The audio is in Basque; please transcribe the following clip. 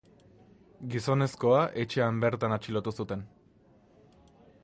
Gizonezkoa etxean bertan atxilotu zuten.